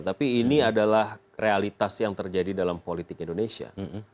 tapi ini adalah realitas yang terjadi dalam politik indonesia